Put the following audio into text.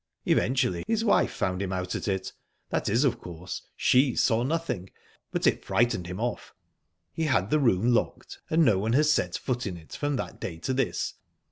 "Eventually his wife found him out at it that is, of course she saw nothing, but it frightened him off. He had the room locked, and no one has set foot in it from that day to this.